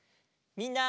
みんな！